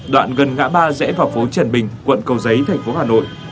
đoạn gần ngã ba rẽ vào phố trần bình quận cầu giấy thành phố hà nội